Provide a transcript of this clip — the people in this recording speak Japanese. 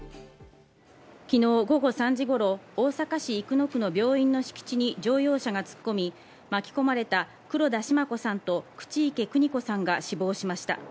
昨日午後３時頃、大阪市生野区の病院の敷地に乗用車が突っ込み、巻き込まれた黒田シマ子さんと、口池邦子さんが死亡しました。